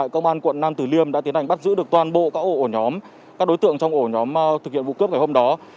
công an quận nam tử liêm đã tiến hành bắt giữ được toàn bộ các đối tượng trong ổ nhóm thực hiện vụ cướp ngày hôm đó